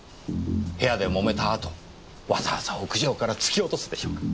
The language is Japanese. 部屋で揉めたあとわざわざ屋上から突き落とすでしょうか？